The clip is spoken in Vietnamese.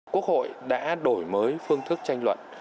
quốc hội đã đổi mới phương thức tranh luận